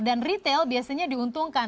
dan retail biasanya diuntungkan